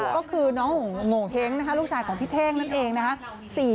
ก็คือน้องโงเห้งนะคะลูกชายของพี่เท่งนั่นเองนะคะ